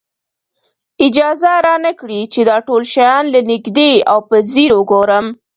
اجازه را نه کړي چې دا ټول شیان له نږدې او په ځیر وګورم.